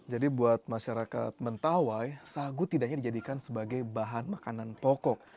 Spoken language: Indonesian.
jadi buat masyarakat mentawai sagu tidak hanya dijadikan sebagai bahan makanan pokok